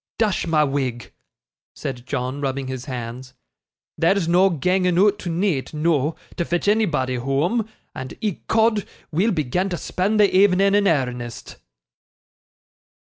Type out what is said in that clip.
Dash ma wig!' said John, rubbing his hands, 'there's no ganging oot to neeght, noo, to fetch anybody whoam, and ecod, we'll begin to spend the evening in airnest.